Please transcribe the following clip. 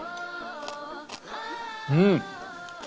うん！